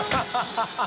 ハハハ